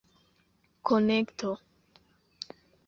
konekto